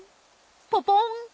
ポポン！